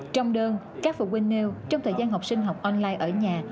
trong đơn các phụ huynh nêu trong thời gian học sinh học online ở nhà